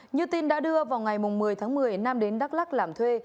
như tin đã đưa vào ngày một mươi tháng một mươi nam đến đắk lắc làm thuê